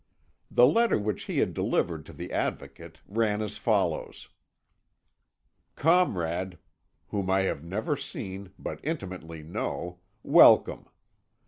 The letter which he had delivered to the Advocate ran as follows: "Comrade, whom I have never seen, but intimately know, Welcome.